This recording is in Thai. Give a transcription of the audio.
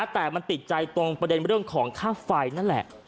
แต่มันติดใจตรงประเด็นเรื่องของค่าไฟนั่นแหละ